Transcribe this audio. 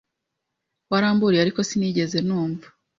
Waramburiye, ariko sinigeze numva.